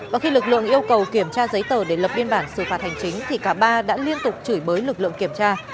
và khi lực lượng yêu cầu kiểm tra giấy tờ để lập biên bản xử phạt hành chính thì cả ba đã liên tục chửi bới lực lượng kiểm tra